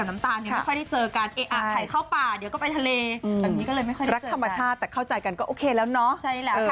ไม่เป็นไรไม่เหงา